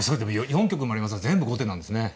４局もありますが全部後手なんですね。